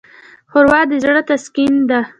ښوروا د زړه تسکین ده.